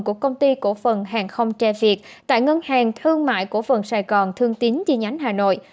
của công ty cổ phần hàng không tre việt tại ngân hàng thương mại cổ phần sài gòn thương tín chi nhánh hà nội